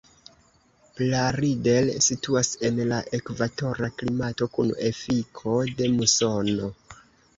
Plaridel situas en la ekvatora klimato kun efiko de musono.